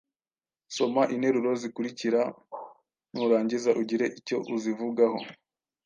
Soma interuro zikurikira nurangiza ugire icyo uzivugaho